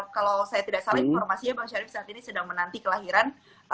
kalau saya tidak salah informasinya bang syarif saat ini sedang menanti kelahiran